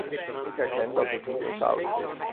Ik erken dat het niet eenvoudig is.